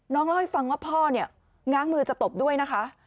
น้องเล่าให้ฟังว่าพ่อง้างมือจะตบด้วยนะคะ